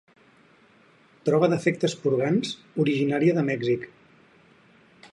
Droga d'efectes purgants originària de Mèxic.